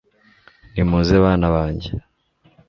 nimuze bana banjye